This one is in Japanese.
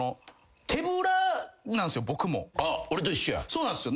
そうなんすよ。